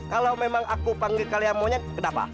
kalau memang aku panggil kalian maunya kenapa